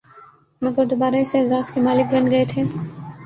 مگر دوبارہ اس اعزاز کے مالک بن گئے تھے